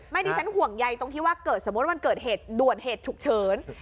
ดิฉันห่วงใยตรงที่ว่าเกิดสมมุติวันเกิดเหตุด่วนเหตุฉุกเฉิน